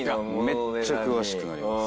めっちゃ詳しくなります。